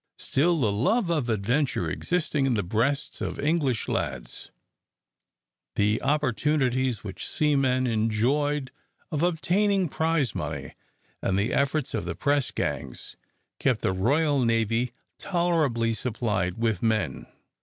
Still the love of adventure existing in the breasts of English lads, the opportunities which seamen enjoyed of obtaining prize money, and the efforts of the press gangs, kept the Royal Navy tolerably supplied with men.